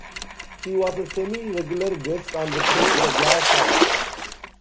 She was a semi-regular guest on the show "The Glass House".